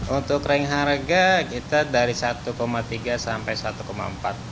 untuk rang harga kita dari satu tiga sampai dua lima juta